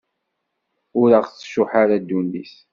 Ur aɣ-tcuḥḥ ara ddunit.